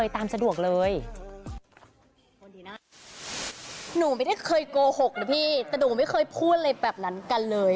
แต่หนูไม่เคยพูดอะไรแบบนั้นกันเลย